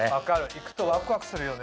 行くとワクワクするよね。